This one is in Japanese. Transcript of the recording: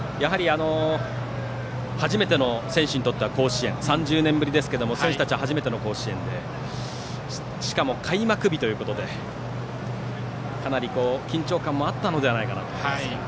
初めての選手にとっては３０年ぶりですが選手たちは初めての甲子園でしかも、開幕日ということでかなり緊張感もあったのではないかなと思いますが。